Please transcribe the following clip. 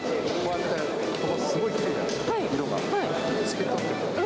すごいきれいじゃないですか、色が、透き通ってる。